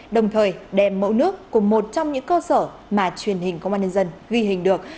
đồng thời đem mẫu nước cùng một trong những cơ sở mà truyền hình công an nhân dân ghi hình được